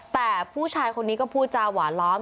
แต่ผู้ชายคนนี้ก็พูดจาหวานล้อม